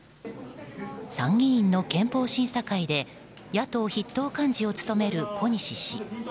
参議院の憲法審査会で野党筆頭幹事を務める小西氏。